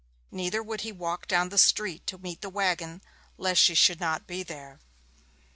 Neither would he walk down the street to meet the waggon, lest she should not be there.